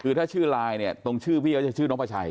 คือถ้าชื่อไลน์เนี่ยตรงชื่อพี่เขาจะชื่อน้องประชัย